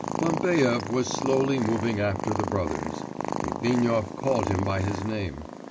Bambaev was slowly moving after the brothers.... Litvinov called him by his name.